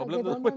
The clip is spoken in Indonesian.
belum tentu benar